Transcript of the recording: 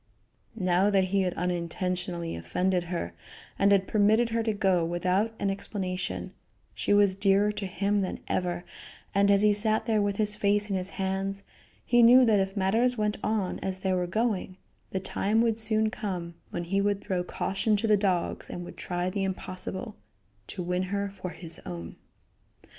Now that he had unintentionally offended her, and had permitted her to go without an explanation, she was dearer to him than ever, and, as he sat there with his face in his hands, he knew that if matters went on as they were going, the time would soon come when he would throw caution to the dogs and would try the impossible to win her for his own.